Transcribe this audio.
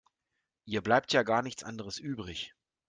Ihr bleibt ja gar nichts anderes übrig.